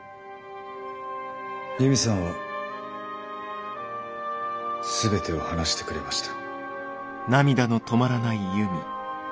悠美さんは全てを話してくれました。